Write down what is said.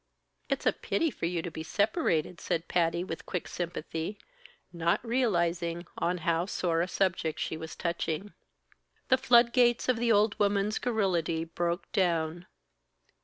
"It's a pity for you to be separated!" said Patty, with quick sympathy, not realizing on how sore a subject she was touching. The flood gates of the old woman's garrulity broke down.